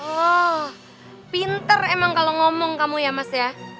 oh pinter emang kalau ngomong kamu ya mas ya